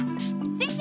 先生！